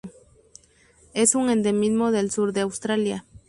Es un endemismo del sur de Australia